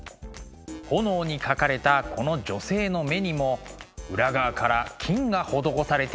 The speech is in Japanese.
「焔」に描かれたこの女性の目にも裏側から金が施されているのです。